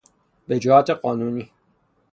وجاهت قانونی